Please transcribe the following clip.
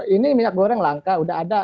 ini minyak goreng langka udah ada